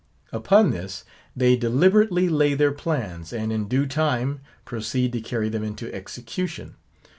Upon this, they deliberately lay their plans; and in due time, proceed to carry them into execution.